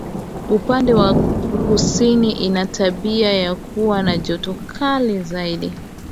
Upande wa kusini ina tabia ya kuwa na joto kali zaidi